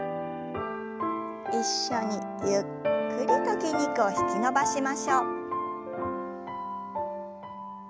一緒にゆっくりと筋肉を引き伸ばしましょう。